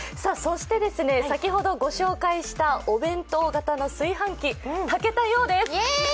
先ほど御紹介したお弁当型の炊飯器、炊けたようです。